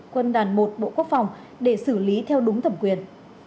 quân đoàn một bộ quốc phòng để xử lý theo đúng thẩm quyền